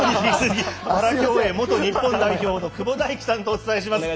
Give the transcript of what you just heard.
元競泳日本代表の久保大樹さんとお伝えします。